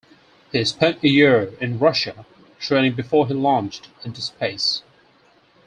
He spent a year in Russia training before he launched into space.